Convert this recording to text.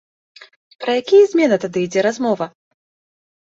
Пра якія змены тады ідзе размова?